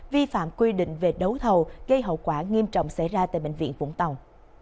vi phạm quy định về đấu thầu gây hậu quả nghiêm trọng xảy ra tại bệnh viện vũng tàu